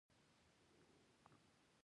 ایا زه باید د ماشوم غوږونه سورۍ کړم؟